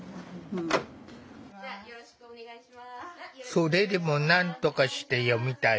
それでもなんとかして読みたい。